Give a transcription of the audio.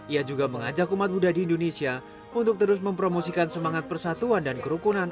ia juga mengajak umat buddha di indonesia untuk terus mempromosikan semangat persatuan dan kerukunan